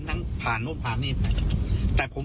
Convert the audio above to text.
หลังทางแสดง